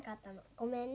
ごめんね。